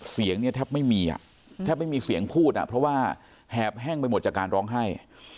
เสียงเนี่ยแทบไม่มีอ่ะแทบไม่มีเสียงพูดเพราะว่าแหบแห้งไปหมดจากการร้องไห้